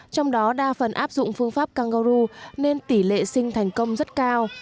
trong đó đa phần áp dụng phương pháp cangeru nên tỷ lệ sinh thành công rất cao